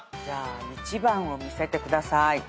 じゃあ１番を見せてください。